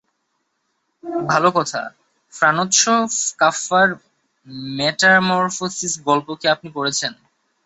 ভালো কথা-ফ্রানৎস কাফকার মেটামরফোসিস গল্প কি আপনি পড়েছেন?